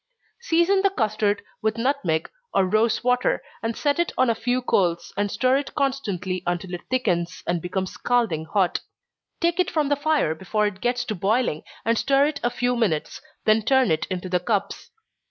Season the custard with nutmeg or rosewater, and set it on a few coals, and stir it constantly until it thickens, and becomes scalding hot. Take it from the fire before it gets to boiling, and stir it a few minutes, then turn it into the cups.